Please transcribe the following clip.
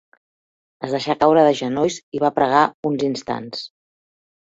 Es deixà caure de genolls i va pregar uns instants.